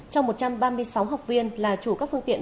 trong một trăm ba mươi sáu học viên là chủ các phương tiện